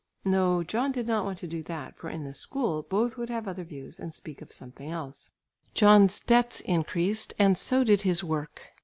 No, John did not want to do that, for in the school both would have other views, and speak of something else. John's debts increased and so did his work.